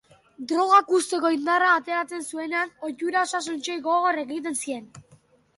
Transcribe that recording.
Drogak uzteko indarra ateratzen zuenean, ohitura osasuntsuei gogor ekiten zien